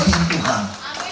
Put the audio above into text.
tanpa silakan tuhan